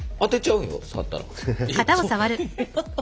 うん。